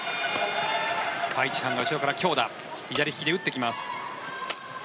カ・イチハンが後ろから強打左利きで打ってきます。